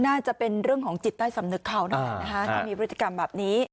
น่าจะเป็นเรื่องของจิตใต้สำนึกเขานะครับถ้ามีพฤติการแบบนี้